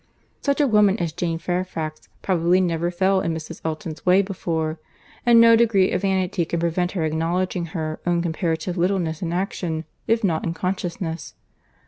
Such a woman as Jane Fairfax probably never fell in Mrs. Elton's way before—and no degree of vanity can prevent her acknowledging her own comparative littleness in action, if not in consciousness."